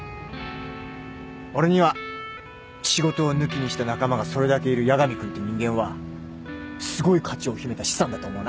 俺には仕事を抜きにした仲間がそれだけいる八神君って人間はすごい価値を秘めた資産だと思うなぁ